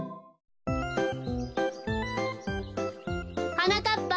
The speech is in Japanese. はなかっぱ